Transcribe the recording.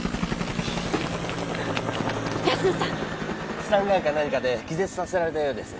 スタンガンか何かで気絶させられたようです。